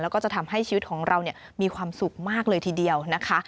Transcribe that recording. แล้วก็จะทำให้ชีวิตของเรามีความสุขมากเลยทีเดียวนะคะ